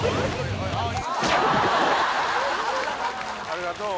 ありがとう。